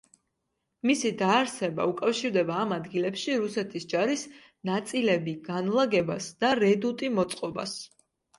მისი დაარსება უკავშირდება ამ ადგილებში რუსეთის ჯარის ნაწილები განლაგებას და რედუტი მოწყობას.